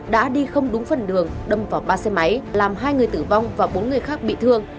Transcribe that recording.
đã đi không đúng phần đường đâm vào ba xe máy làm hai người tử vong và bốn người khác bị thương